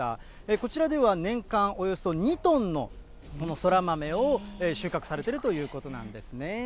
こちらでは、年間およそ２トンのこのそら豆を収穫されてるということなんですね。